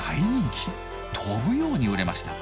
飛ぶように売れました。